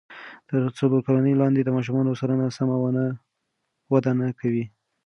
تر څلور کلنۍ لاندې د ماشومانو سلنه سمه وده نه کوي.